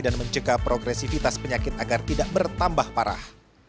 dan mencegah progresivitas penyakit agar tidak bertambah parah